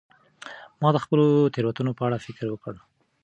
ما د خپلو تیروتنو په اړه فکر وکړ.